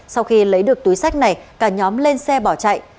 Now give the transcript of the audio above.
sau khi lấy được túi sách này cả nhóm lên xe bỏ chạy